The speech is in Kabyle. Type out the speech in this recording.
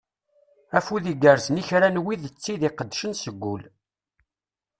Afud igerzen i kra n wid d tid iqeddcen seg ul.